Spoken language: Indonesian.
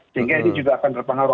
sehingga ini juga akan berpengaruh